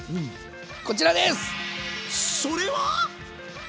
こちらです！